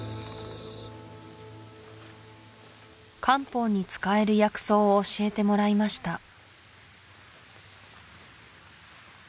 漢方に使える薬草を教えてもらいました